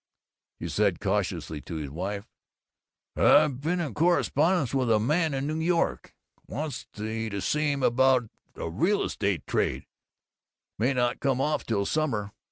He said cautiously to his wife, "I've been in correspondence with a man in New York wants me to see him about a real estate trade may not come off till summer.